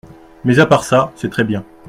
Mais à part ça, c’est très bien.